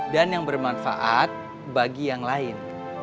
dan yang bermanfaat bagi yang lain